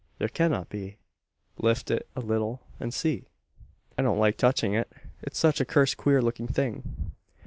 There cannot be?" "Lift it a leetle, an see." "I don't like touching it. It's such a cursed queer looking thing."